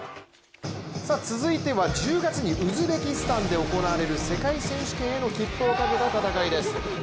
続いては１０月にウズベキスタンで行われる世界選手権への切符をかけた戦いです。